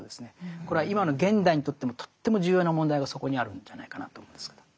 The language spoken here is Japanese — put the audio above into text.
これは今の現代にとってもとっても重要な問題がそこにあるんじゃないかなと思うんですけど。